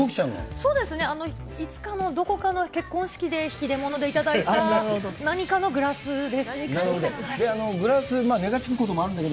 そうですね、どこかの結婚式で引き出物で頂いた何かのグラスなるほど。